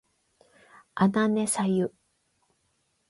あなねさゆ